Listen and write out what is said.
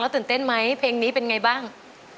แล้วตื่นเต้นมั้ยเพลงนี้เป็นไงบ้าง